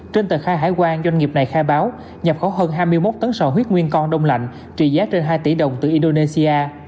trên tờ khai hải quan doanh nghiệp này khai báo nhập khẩu hơn hai mươi một tấn sò huyết nguyên con đông lạnh trị giá trên hai tỷ đồng từ indonesia